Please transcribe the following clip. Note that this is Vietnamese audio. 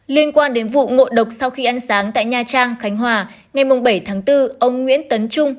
liên quan đến vụ ngộ độc sau khi ăn sáng tại nha trang khánh hòa ngày bảy tháng bốn ông nguyễn tấn trung